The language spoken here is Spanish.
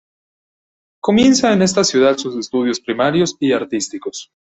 Comienza en esta ciudad sus estudios primarios y artísticos.